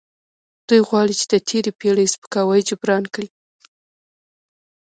دوی غواړي چې د تیرې پیړۍ سپکاوی جبران کړي.